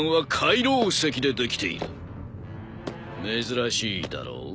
珍しいだろう？